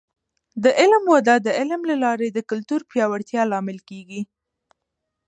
د علم وده د علم له لارې د کلتور پیاوړتیا لامل کیږي.